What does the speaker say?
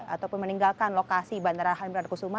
ataupun meninggalkan lokasi bandara halimberan kusuma